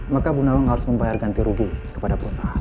maka bunawang harus membayar ganti rugi kepada perusahaan